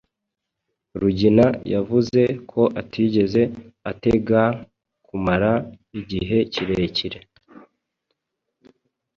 Rugina yavuze ko atigeze ategaa kumara igihe kirekire.